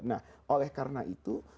nah oleh karena itu